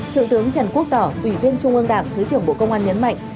thượng tướng trần quốc tỏ ủy viên trung ương đảng thứ trưởng bộ công an nhấn mạnh